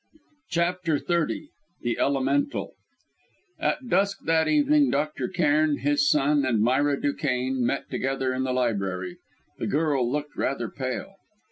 CHAPTER XXX THE ELEMENTAL At dusk that evening, Dr. Cairn, his son, and Myra Duquesne met together in the library. The girl looked rather pale.